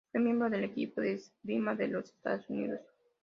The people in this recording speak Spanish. Fue miembro del equipo de esgrima de los Estados Unidos.